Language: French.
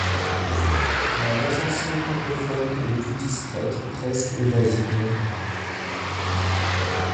La recension francophone est plus discrète, presque évasive.